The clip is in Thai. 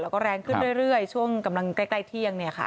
แล้วก็แรงขึ้นเรื่อยช่วงกำลังใกล้เที่ยง